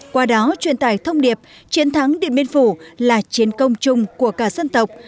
qua đó truyền tải thông điệp chiến thắng điện biên phủ là chiến công chung của cả dân tộc